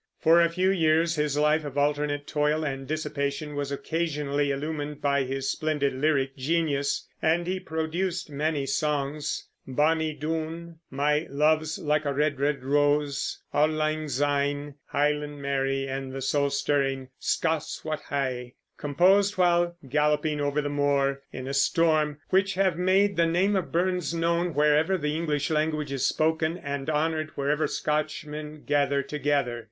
For a few years his life of alternate toil and dissipation was occasionally illumined by his splendid lyric genius, and he produced many songs "Bonnie Doon," "My Love's like a Red, Red Rose," "Auld Lang Syne," "Highland Mary," and the soul stirring "Scots wha hae," composed while galloping over the moor in a storm which have made the name of Burns known wherever the English language is spoken, and honored wherever Scotchmen gather together.